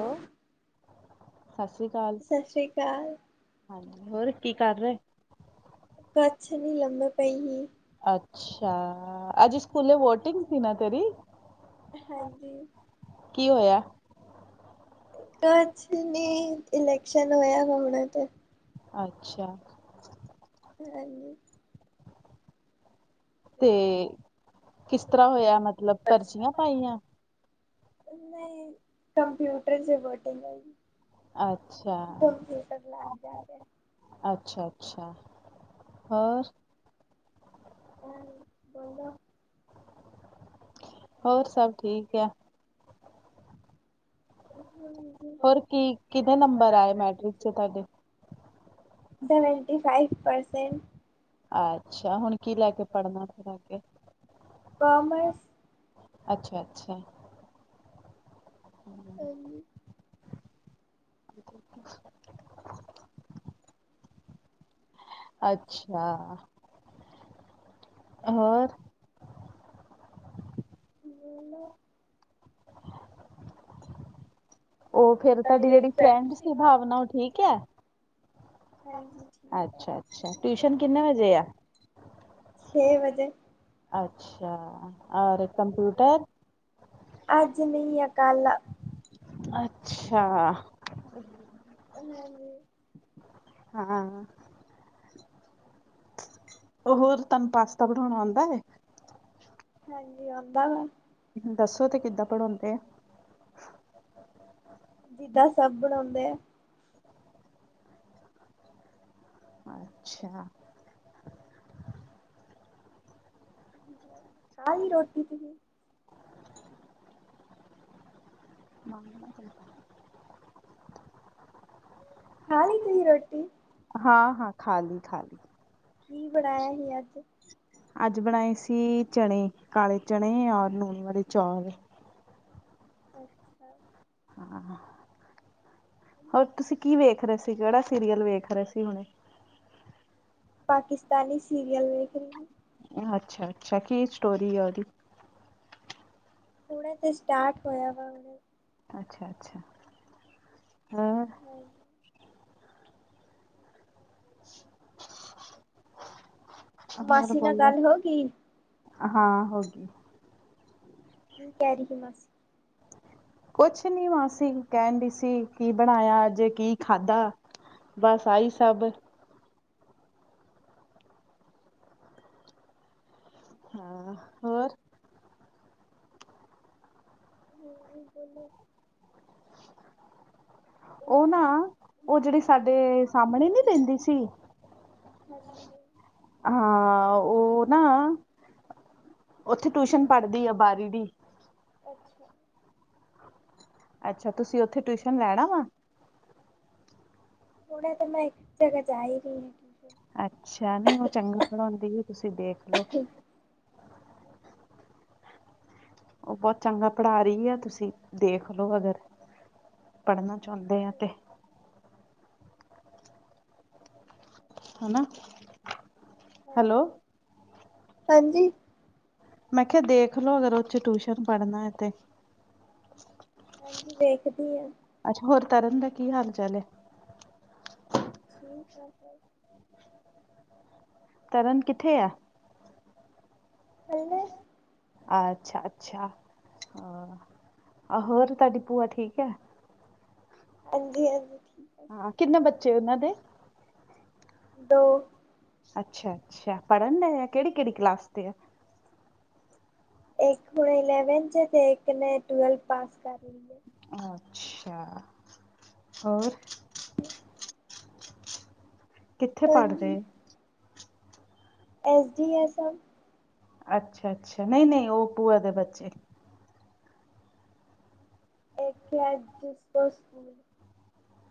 Hello ਸਤਿ ਸ੍ਰੀ ਅਕਾਲ ਸ੍ਰੀ ਅਕਾਲ ਹਾਂ ਹੋਰ ਕੀ ਕਰ ਰਹੇ ਗੱਛ ਨਹੀਂੀ ਲੰਬੇ ਪਈ ਸੀ ਅੱਛਾ ਅਜ ਸਕੂਲੇ ਵੋਟਿੰਗ ਸੀ ਨਾ ਤੇਰੀ ਕੀ ਹੋਇਆ [inaudible] ਕੁਛ ਨਹੀਂੀ ਇਲੈਕਸ਼ਨ ਹੋਇਆ ਹ ਹੁਣਾ ਤੇ [unintelligible] ਹਾਂਜੀ। ਤੇ ਕਿਸ ਤਰ੍ਹਾਂ ਹੋਇਆ। ਮਤਲਬ, ਪਰਚੀਆਂ ਪਾਈਆਂ। ਨਹੀਂ, ਕੰਮਪਿਊਟਰ ਚ ਵਟਨ ਲੋਗੀਗ। ਅੱਛਾ ਕਰ ਲੈ ਫੇਰ, ਆਪ ਜਾ ਕੇ। ਅੱਛਾ-ਅੱਛਾ। ਹੋਰ ਐ। ਬੋਲੋ ਹੋਰ ਸਭ ਠੀਕ ਆ [inaudible] ਹੋਰ ਕੀ ਕਿਹਦੇ ਨੰਬਰ ਆਏ ਮੈਟ੍ਰਿਕ ਚ ਤੁਹਾਡੇ ਸੈਵਨਟੀ ਫਾਈਵ ਪਰਸੈਂਟ ਅੱਛਾ ਹੁਣ ਕੀ ਲੈ ਕੇ ਪੜ੍ਹਨਾ ਥ੍ਹਾਗੇ ਕਾਮਰਸ ਅੱਛਾ ਅੱਛਾ [inaudible] [inaudible] ਅੱਛਾ ਹੋਰ [inaudible] ਫ ਦੀ ਜਿਹੜੀ ਫਡ ਸੀ ਭਾਵਨਾ ਠੀਕ ਹੈ ਹਾਂਜੀ ਅੱਛਾ ਅੱਛਾ ਟਿਊਸ਼ਨ ਕਿੰਨੇ ਵਜੇ ਆ ਵਜੇ ਅੱਛਾ ਕੰਪਟਰ ਅੱਜ ਨਹੀਂ ਆ ਕੱਲ ਅੱਛਾ ਹਾਂਜੀ ਹਾਂ ਉਹ ਹੋਰ ਤੁਹਾਨੂੰ ਪਾਸਤਾ ਬਣਾਉਣਾ ਆਉਂਦਾ ਹੈ ਹਾਂਜੀ ਆਉਂਦਾ ਵਾ ਦੱਸੋ ਤੇ, ਕਿੱਦਾਂ ਪੜਾਓਂਦੇ? ਜਿੱਦਾਂ, ਸਭ ਬਣਾਉਂਦੇ ਆ। ਆ ਅੱਛਾ। ਖਾਲੀ ਰੋਟੀ ਤੁਹੀ? [inaudible] ਹਾਲ ਤੇ ਹੀ ਰੋਟੀ ਹਾਂ ਹਾਂ ਖਾਲੀ ਖਾਲੀ ਕੀ ਬਣਾਇਆ ਸੀ ਅੱਜ ਅੱਜ ਬਣਾਏ ਸੀ ਚਣੇ ਕਾਲੇ ਚਣੇ ਔਰ ਨੂਨ ਵਾਲੇ ਚੌਲ [inaudible] ਹਾ ਹੋਰ ਤੁਸੀਂ ਕੀ ਵੇਖ ਰਹੇ ਸੀ ਕਿਹੜਾ ਸੀਰੀਅਲ ਵੇਖ ਰਹੇ ਸੀ ਹੁਣੇ ਪਾਕਿਸਤਾਨੀ ਸੀਰੀਅਲ ਵੇਖ ਅੱਛਾ ਅੱਛਾ ਕੀ ਸਟੋਰੀ ਆ ਉਹਦੀ ਹੁਣੇ ਤੇ, ਸਟਾਰਟ ਹੋਇਆ ਵਾ। ਅੱਛਾ-ਅੱਛਾ। ਆਂ ਹਾਂ ਹੋਰ ਮਾਸੀ ਨਾਲ ਬੋਲੋ? ਗੱਲ ਹੋ ਗਈ ਹਾਂ, ਹੋਗੀ। ਕੀ, ਕਹਿ ਰਹੀ ਹੀ, ਮਾਸੀ? ਕੁਛ ਨੀ ਮਾਸੀ ਕਹਿਣਡੀ ਸੀ, ਕੀ ਬਣਾਇਆ ਜੇ, ਕੀ ਖਾਧਾ? ਬਸ, ਆਈ ਸਭ। ਹਾ, ਹੋਰ? ਹਾਂਜੀ, ਬੋਲੋ। ਉਹ ਨਾ, ਉਹ ਜਿਹੜੀ ਸਾਡੇ ਸਾਹਮਣੇ ਨਹੀਂ ਰਹਿੰਦੀ ਸੀ [inaudible] ਹਾਂ, ਉਹ ਨਾ, ਉੱਥੇ ਟਿਊਸ਼ਨ ਪੜਦੀ ਆ ਬਾਹਰੀ ਦੀ। ਅੱਛਾ। ਅੱਛਾ, ਤੁਸੀਂ ਉੱਥੇ ਟਿਊਸ਼ਨ ਲੈਣਾ ਵਾ? ਹੁਣੇ ਤੇ, ਮੈਂ ਇੱਕ ਜਗ੍ਹਾ ਜਾਈ ਰਹੀ। ਹਾਂ ਅੱਛਾ, ਨਹੀਂ ਉਹ ਚੰਗਾ ਪੜ੍ਹਾਉਂਦੀ ਏ, ਤੁਸੀਂ ਦੇਖਲੋ। ਉਹ ਬਹੁਤ ਚੰਗਾ ਪੜ੍ਹਾ ਰਹੀ ਆ, ਤੁਸੀਂ ਦੇਖਲੋ ਅਗਰ ਪੜ੍ਹਨਾ ਚਾਹੁੰਦੇ ਆ ਤੇ ਹਨਾ, ਹੈਲੋ! ਹਾਂਜੀ ਹਾਂਜੀ। ਮੈਂ, ਖਿਆ ਦੇਖਲੋ, ਅਗਰ ਉਥੇ ਟਿਊਸ਼ਨ ਪੜ੍ਹਨਾ ਹੈ, ਤੇ। ਹਾਂਜੀ, ਵੇਖਦੀ ਹਾਂ। ਅੱਛਾ, ਹੋਰ ਤਰਨ ਦਾ ਕੀ ਹਾਲ-ਚਾਲ ਏ? ਠੀਕ ਹੈ। ਤਰਨ, ਕਿੱਥੇ ਆ? ਹੇਲੋ। ਅੱਛਾ-ਅੱਛਾ, ਆ, ਹੋਰ ਤੁਹਾਡੀ ਭੂਆ ਠੀਕ ਐ? ਹਾਂਜੀ-ਹਾਂਜੀ, ਠੀ ਹਾਂ, ਕਿੰਨੇ ਬੱਚੇ ਉਹਨਾਂ ਦੇ? ਲੋ ਅੱਛਾ-ਅੱਛਾ, ਪੜ੍ਹਨਡਏ ਆ, ਕਿਹੜੀ-ਕਿਹੜੀ ਕਲਾਸ ਤੇ ਆ? ਇੱਕ ਹੁਣ ਇਲੈਵਨਥ'ਚ ਤੇ, ਇੱਕ ਨੇ ਟਵੈਲਥ ਪਾਸ ਕਰਲੀ ਹੈ। ਅੱਛਾ, ਹੋਰ? ਕਿੱਥੇ ਪੜ ਰਹੇ? ਐੱਸਡੀ- ਐੱਸ, ਐਮ ਅੱਛਾ-ਅੱਛਾ, ਨਈ-ਨਈ ਉਹ ਭੂਆ ਦੇ ਬੱਚੇ। ਏ ਕੇ ਆਏ ਡੀਸਪਸ ਸਕੂਲ।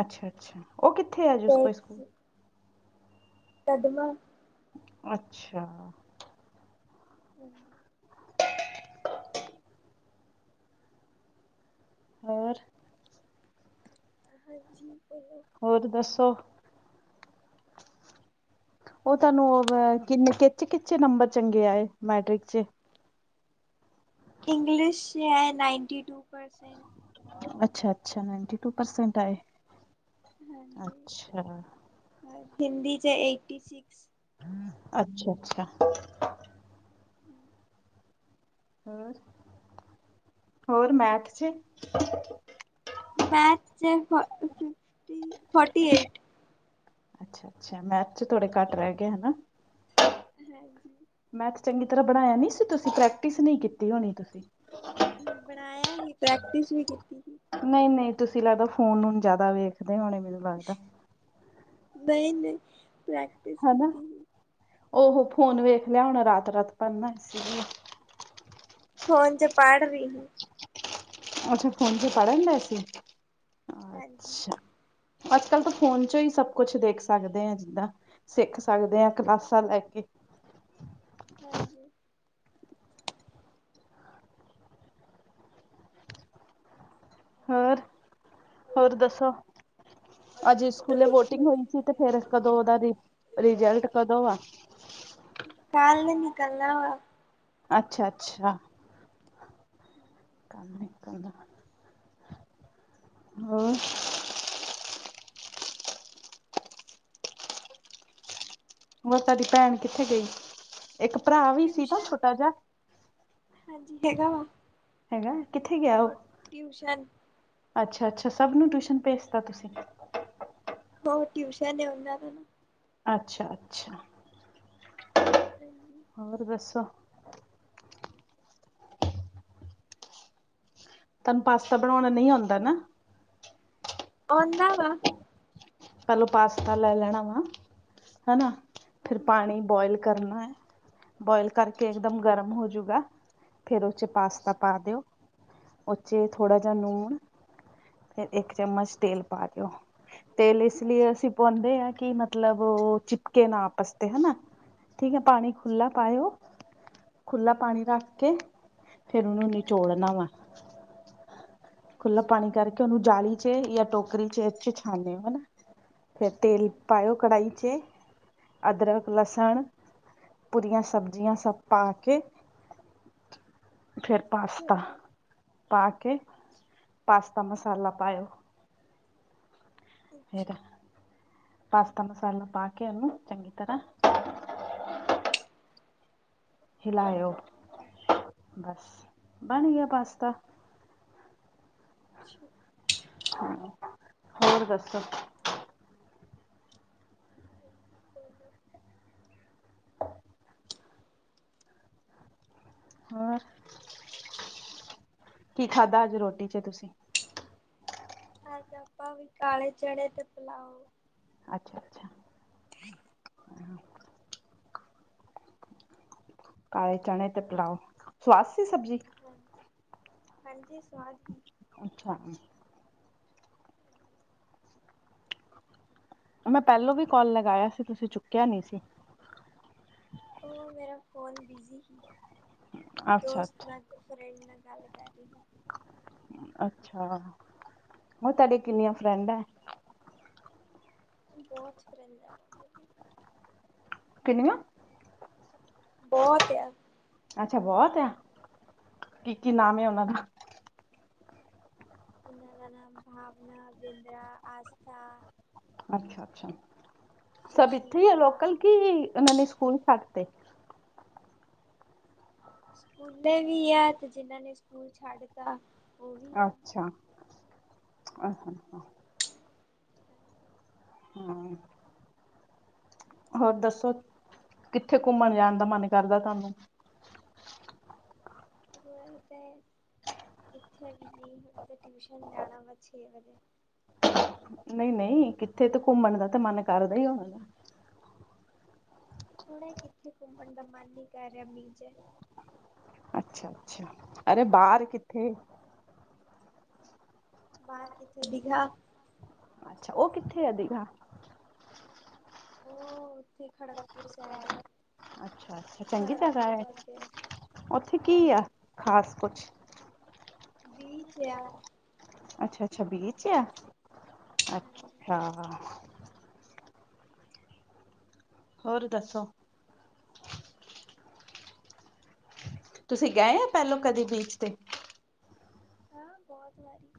ਅੱਛਾ-ਅੱਛਾ, ਉਹ ਕਿੱਥੇ ਆ [unintelligible] ਤੇ ਸਕੂਲ? ਤਦਮਾ ਅੱਛਾ। ਹੂੰ ਹੋਰ? ਹਾਂਜੀ, ਬੋਲੋ। ਹੋਰ, ਦੱਸੋ? ਉਹ ਤੁਹਾਨੂੰ, ਕਿੰਨੇ, ਕਿੱਚ-ਕਿੱਚ ਨੰਬਰ ਚੰਗੇ ਆਏ? ਮੈਟ੍ਰਿਕ'ਚ ਇੰਗਲਿਸ਼'ਚ ਆਏ, ਨਾਈਂਨਟੀ-ਟੂ ਪਰਸੈਂਟ। ਅੱਛਾ-ਅੱਛਾ ਨਾਈਨਟੀ-ਟੂ ਪਰਸੈਂਟ ਆਏ, ਹਾਂਜੀ ਅੱਛਾ। ਹਿੰਦੀ 'ਚ ਏਟੀ-ਸਿਕਸ। ਅੱਛਾ-ਅੱਛਾ। ਹੋਰ, ਹੋਰ ਮੈਥ'ਚ ਮੈਥ 'ਚ ਫ ਫੋਰਟੀ ਏਟ ਅੱਛਾ-ਅੱਛਾ ਮੈਥ ਚ ਥੋੜੇ ਘੱਟ ਰਹਿ ਗਏ ਹਨਾ। ਹਾਂਜੀ। ਮੈਥਸ ਚੰਗੀ ਤਰ੍ਹਾਂ ਬਣਾਇਆ ਨੀ ਸੀ ਤੁਸੀਂ? ਪ੍ਰੈਕਟਿਸ ਨਈ ਕੀਤੀ ਹੋਣੀ ਤੁਸੀਂ? ਪਣਾਇਆ ਹੀ, ਪ੍ਰੈਕਟਿਸ ਵੀ ਕੀਤੀ ਸੀ। ਨਈ-ਨਈ ਤੁਸੀਂ ਲੱਗਦਾ, ਫੋਨ ਹੁਣ ਜਾਦਾ ਵੇਖਦੇ ਹੋਣੇ, ਮੈਨੂੰ ਲੱਗਦਾ। ਨਈ-ਨਈ ਪ੍ਰੈਕ ਹਨਾ? ਔਹ ਹੋ ਫੋਨ ਵੇਖ ਲਿਆ ਹੋਣਾ ਰਾਤ-ਰਾਤ ਪਰ ਨਾ ਇਸ ਲਿਏ। ਫੋਨ ਚ ਪੜ ਰੀ ਹੀ। ਅੱਛਾ ਫੋਨ ਚ ਪੜਨ ਰੇਸੀ? ਹਾਂਜੀ ਅੱਛਾ। ਅੱਜ ਕੱਲ੍ਹ ਤਾਂ ਫੋਨ ਚੋਂ ਈ, ਸਭ ਕੁਛ ਦੇਖ ਸਕਦੇ ਆ ਜਿੱਦਾਂ। ਸਿੱਖ ਸਕਦੇ ਆ ਕਲਾਸਾਂ ਲੈ ਕੇ। ਹਾਂਜੀ। ਹੋਰ, ਹੋਰ ਦੱਸੋ? ਅੱਜੇ ਸਕੂਲੇ ਵੋਟਿੰਗ ਹੋਈ ਸੀ, ਤੇ ਫਿਰ ਕਦੋਂ, ਔਦਾ ਰਿਜਲਟ ਕਦੋਂ ਆ? ਕੱਲ ਈ ਨਿਕਲਨਾ ਵਾ। ਅੱਛਾ-ਅੱਛਾ। ਕੱਲ ਨਿਕਲਣਾ, ਹੋਰ? ਹੋਰ ਤੁਆਡੀ ਭੈਣ ਕਿੱਥੇ ਗਈ? ਇੱਕ ਪਰਾ ਵੀ ਸੀ ਤਾ ਟਿਊਸ਼ਨ ਛੋਟਾ ਜਾ? ਹਾਂਜੀ ਹੈਗਾ ਵਾ। ਹੈਗਾ ਏ, ਕਿੱਥੇ ਗਿਆ ਉਹ? ਹੋਰ ਟਿਊਸ਼ਨ ਅੱਛਾ-ਅੱਛਾ ਸਭ ਨੂੰ ਟਿਊਸ਼ਨ ਭੇਜਤਾ ਤੁਸੀਂ? ਔ ਟਿਊਸ਼ਨ ਏ, ਔਨ੍ਹਾਂ ਦਾ ਨਾ। ਅੱਛਾ-ਅੱਛਾ। ਹਾਂਜੀ। ਹੋਰ ਦੱਸੋ? ਤਾਨੂੰ ਪਾਸਤਾ ਬਣਾਉਣਾ ਨਈ ਆਂਦਾ ਨਾ? ਆਂਦਾ ਵਾ। ਪੇਲੋ ਪਾਸਤਾ ਲੈ ਲੈਣਾ ਵਾ, ਹੈ ਨਾ, ਫਿਰ ਹਾਂਜੀ ਪਾਣੀ ਬੋਇਲ ਕਰਨਾ ਏ, ਬੋਇਲ ਕਰਕੇ ਅੱਛਾ ਇੱਕਦਮ ਗਰਮ ਹੋਜੂਗਾ। ਫਿਰ ਉਹ ਚ ਪਾਸਤਾ ਅੱਛਾ ਪਾ ਦਿਓ। ਉਹ ਚੇ ਥੋੜ੍ਹਾ ਜਿਹਾ ਅੱਛਾ ਨੂਣ, ਫਿਰ ਇੱਕ ਚਮਚ ਤੇਲ ਪਾ ਦਿਓ। ਤੇਲ ਇਸ ਅੱਛਾ ਲਈ ਅੱਛਾ ਅਸੀਂ ਪਾਉਂਦੇ ਆ, ਕਿ ਮਤਲਬ ਉਹ ਚਿਪਕੇ ਨਾ ਆਪਸ ਤੇ ਹਨਾ। ਠੀਕ ਏ ਹਾਂਜੀ ਪਾਣੀ ਅੱਛਾ ਖੁਲਾ ਪਾਏਓ, ਖੁਲਾ ਪਾਣੀ ਰੱਖ ਕੇ ਫੇਰ ਉਹਨੂੰ ਹਾਂਜੀ ਹਾਂਜੀ ਨਿਚੋੜਨਾ ਵੇ ਖੁੱਲਾ ਅੱਛਾ ਪਾਣੀ ਕਰਕੇ, ਉਹਨੂੰ ਜਾਲੀ ਚੇ ਯਾ ਟੋਕਰੀ ਚੇ ਏਥੇ ਛਾਨੇਓ। ਫੇਰ ਤੇਲ ਅੱਛਾ ਪਾਇਓ ਕੜਾਹੀ 'ਚ ਅਦਰਕ ਲਸਣ ਪੂਰੀਆਂ ਸਬਜ਼ੀਆਂ ਸਭ ਪਾ ਕੇ ਫਿਰ ਪਾਸਤਾ ਪਾ ਕੇ, ਪਾਸਤਾ ਮਸਾਲਾ ਪਾਇਓ। ਅੱਛਾ ਫੇਰ ਪਾਸਤਾ ਮਸਾਲਾ ਪਾ ਕੇ ਉਹਨੂੰ ਚੰਗੀ ਤਰ੍ਹਾਂ ਹਿਲਾਇਓ ਬਸ। ਬਣ ਗਿਆ ਪਾਸਤਾ। ਅੱਛਾ। ਹਾ, ਹੋਰ ਦੱਸੋ? ਬੋਲੋ ਹੋਰ, ਕੀ ਖਾਦਾ ਅੱਜ ਰੋਟੀ ਚ ਤੁਸੀਂ? ਅੱਜ ਆਪਾਂ ਵੀ ਕਾਲੇ ਚਣੇ ਤੇ ਪਲਾਓ ਅੱਛਾ-ਅੱਛਾ। [inaudible] ਕਾਲੇ ਚਣੇ ਤੇ ਪਲਾਓ, ਸਵਾਦ ਸੀ ਸਬਜ਼ੀ? [unintelligible] ਹਾਂ ਹਾਂਜੀ ਸਵਾਦ ਸੀ। ਅੱਛਾ। ਮੈਂ ਪਹਿਲੋਂ ਵੀ ਕਾਲ ਲਗਾਇਆ ਸੀ ਤੁਸੀਂ ਚੁੱਕਿਆ ਨਹੀਂ ਸੀ। ਓ ਮੇਰਾ ਫ਼ੋਨ ਬਿਜੀ ਸੀ ਅੱਛਾ ਦੋਸਤ ਅੱਛਾ ਨਾਲ ਫਰੈਂਡ ਨਾਲ ਗੱਲ ਕਰ ਰਹੀ। ਅੱਛਾ, ਨਾ ਤੁਹਾਡੇ ਕਿੰਨੀਆਂ ਫਰੈਂਡ ਐ? ਬੋਤ ਫਰੇਂਡਸ ਆ ਵਾ ਮੇਰੇ। ਕਿੰਨੀਆਂ? ਬੋਤ ਐ। ਅੱਛਾ ਬੋਤ ਆ, ਕੀ ਕੀ ਨਾਮ ਏ ਓਨਾਂ ਦਾ? ਉਹਨਾਂ ਦਾ ਨਾਮ ਭਾਵਨਾ, ਬਿੰਦਰਾ, ਆਸਥਾ ਅੱਛਾ-ਅੱਛਾ ਸਭ ਸ਼ਸ਼ੀ ਇੱਥੇ ਈ ਆ ਕਲਾ ਲੋਕਲ, ਕਿ ਉਹਨਾਂ ਨੇ ਸਕੂਲ ਫਟਤੇ। ਸਕੂਲੇ ਵੀ ਐ, ਤੇ ਜਿਨ੍ਹਾਂ ਨੇ ਸਕੂਲ ਛੱਡਤਾ। ਅੱਛਾ ਅ ਹੂੰ ਹੋਰ ਦੱਸੋ ਕਿੱਥ ਘੁੰਮਣ ਜਾਣ ਦਾ ਮਨ ਕਰਦਾ ਤੁਹਾਨੂੰ? ਹੋਣ ਤੇ ਕਿੱਥੇ ਬੀਜੀ ਹੁਨ ਤੇ ਟਿਊਸ਼ਨ ਜਾਣਾ ਮੈ ਛੇ ਵਜੇ ਨਹੀਂ ਨਹੀਂ। ਨਈ ਕਿੱਥੇ ਤੇ ਘੁੰਮਣ ਦਾ ਤਾਂ ਮਨ ਕਰਦਾ ਹੀ ਐ ਨਾ। ਹੁਨ ਕਿੱਥੇ ਘੁੰਮਨ ਦਾ ਮਨ ਨੀ ਕਰ ਰਿਹਾ ਮੀਂ 'ਚ। ਅੱਛਾ-ਅੱਛਾ, ਅਰੇ ਬਾਰ ਕਿੱਥੇ? ਬਾਰ ਕਿੱਥੇ ਦਿਗਾ ਅੱਛਾ ਓ ਕਿੱਥੇ ਆ ਦਿਗਾ। ਉਹ ਓਥੇ ਖੜਗਪੁਰ ਸੈਡ ਆ। ਅੱਛਾ-ਅੱਛਾ, ਚੰਗੀ ਖੜਗਪੁਰ ਜਗ੍ਹਾ ਐ, ਤੋਂ ਅੱਗੇ ਏਥੇ ਕੀ ਆ ਹਾਂਜੀ ਖਾਸ ਕੁਛ? ਬੀ ਚੇ ਯਾ ਅੱਛਾ-ਅੱਛਾ, ਬੀਚ ਆ ਹਾਂਜੀ ਅੱਛਾ। ਹੋਰ ਦੱਸੋ। ਤੁਸੀਂ ਗਏ ਆਂ ਪੈਲੋਂ ਕਦੇ ਬੀਚ ਤੇ ਹਾਂ ਬੋਤ ਵਾਰੀ